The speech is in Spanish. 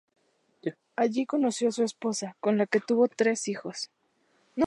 Allí conoció a su esposa, con la que tuvo tres hijos.